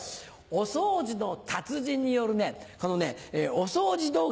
お掃除の達人によるねこのねお掃除動画。